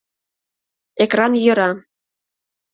Экран йӧра.